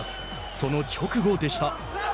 その直後でした。